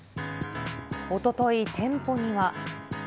おととい、店舗には。